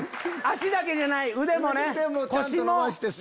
足だけじゃない腕もね腰も。